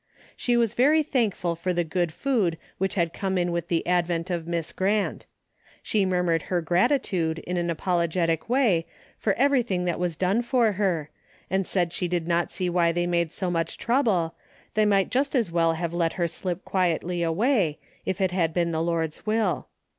She Avas very thankful for the good food Avhich had come in with the advent of Miss Grant. She murmured her gratitude in an apologetic Avay for everything that Avas done for her, and said she did not see why they made so much trouble, they might just as Avell have let her slip quietly aAvay, if it had been* the Lord's Avill.